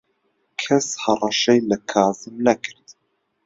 کەس هەڕەشەی لە کازم نەکرد.